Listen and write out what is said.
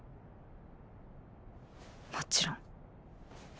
もちろん。